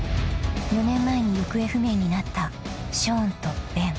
４年前に行方不明になったショーンとベン］